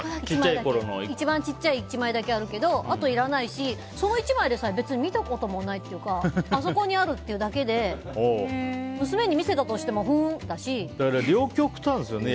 一番小さい１枚だけはあるけどあとはいらないしその１枚でさえ別に見たこともないっていうかあそこにあるっていうだけで娘に見せたとしても両極端ですよね。